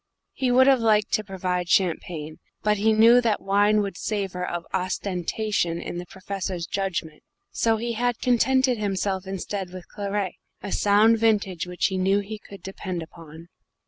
He would have liked to provide champagne, but he knew that wine would savour of ostentation in the Professor's judgment, so he had contented himself instead with claret, a sound vintage which he knew he could depend upon.